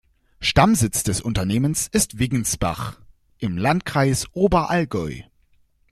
Stammsitz des Unternehmens ist Wiggensbach im Landkreis Oberallgäu.